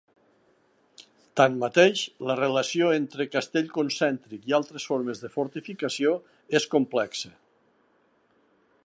Tanmateix, la relació entre castell concèntric i altres formes de fortificació és complexa.